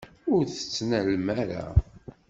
Ur t-tettnalem ara.